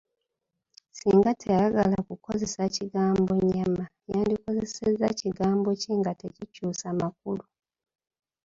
Singa teyayagala kukozesa kigambo nnyama, yandikozesezza kigambo ki nga tekikyusa makulu?